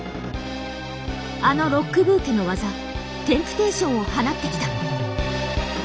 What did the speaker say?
あのロックブーケの技「テンプテーション」を放ってきた！